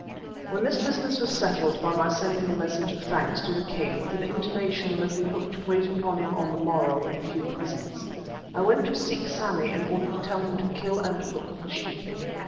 When this business was settled by my sending a message of thanks to the king with an intimation that we hoped to wait upon him on the morrow with a few presents, I went to seek Sammy in order to tell him to kill and cook the sheep.